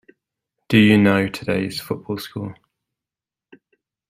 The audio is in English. Do you know today's football score?